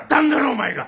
お前が。